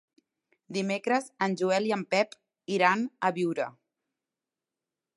Dimecres en Joel i en Pep iran a Biure.